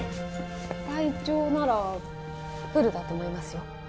隊長ならプールだと思いますよ